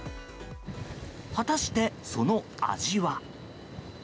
果たしてその味は。